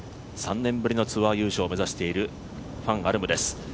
３年ぶりのツアー優勝を目指しているファン・アルムです。